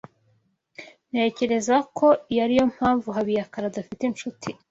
Ntekereza ko iyo ari yo mpamvu Habiyakare adafite inshuti.